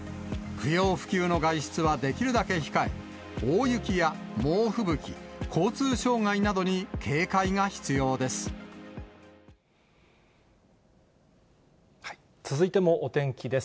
不要不急の外出はできるだけ控え、大雪や猛吹雪、交通障害などに警戒が必要です。